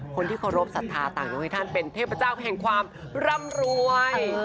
คนที่เคารพสรรษะทางยงให้ท่านเป็นเทพเจ้าของความร่ำรวย